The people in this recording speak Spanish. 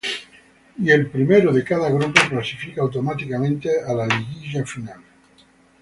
Y el primero de cada grupo clasifica automáticamente a la liguilla final.